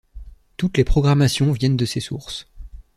Toutes les programmations viennent de ces sources.